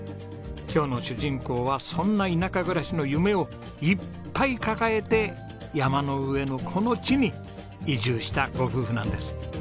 今日の主人公はそんな田舎暮らしの夢をいっぱい抱えて山の上のこの地に移住したご夫婦なんです。